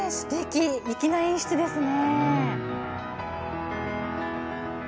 粋な演出ですね。